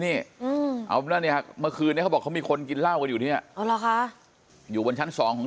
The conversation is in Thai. นี่มาคืนเขาบอกเขามีคนกินเล่ากันอยู่เนี่ยอยู่บนชั้น๒ของ